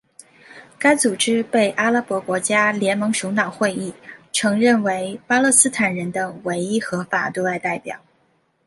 该组织被阿拉伯国家联盟首脑会议承认为巴勒斯坦人的唯一合法对外代表。